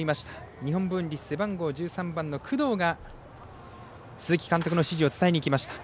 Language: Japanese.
日本文理、背番号１３番の工藤が鈴木監督の指示を伝えにいきました。